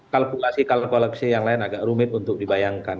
kalkulasi kalkulasi yang lain agak rumit untuk dibayangkan